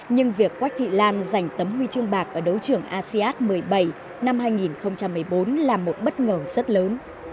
nhưng việc quách thị lan giành tấm huy chương bạc ở đấu trường asean một mươi bảy năm hai nghìn một mươi bốn là một bất ngờ rất lớn